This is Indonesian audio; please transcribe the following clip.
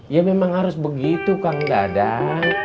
ya memang harus begitu kang dadan